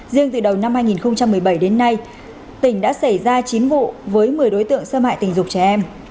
riêng từ đầu năm hai nghìn một mươi bảy đến nay tỉnh đã xảy ra chín vụ với một mươi đối tượng xâm hại tình dục trẻ em